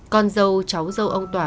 con dâu cháu dâu ông tỏa